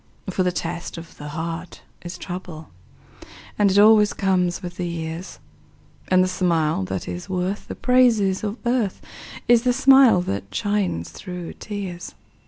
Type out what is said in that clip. For the test of the heart is trouble, And it always comes with the years, And the smile that is worth the praises of earth Is the smile that shines through tears.